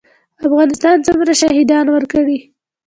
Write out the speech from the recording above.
افغانستان څومره شهیدان ورکړي؟